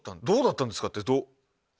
どうだったんですかってどう？